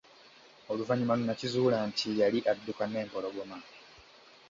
Oluvanyuma n'akizuula nti, yali adduka n'empologoma.